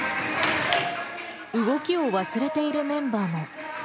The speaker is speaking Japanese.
動きを忘れているメンバーも。